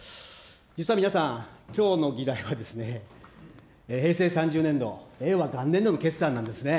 実は皆さん、きょうの議題は、平成３０年度・令和元年度の決算なんですね。